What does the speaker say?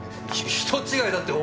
ひ人違いだって。